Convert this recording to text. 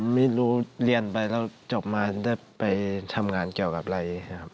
ไม่รู้เรียนไปแล้วจบมาได้ไปทำงานเกี่ยวกับอะไร